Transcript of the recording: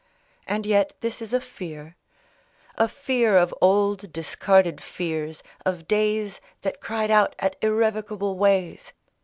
And yet this is a fear — A fear of old discarded fears, of days That cried out at irrevocable ways.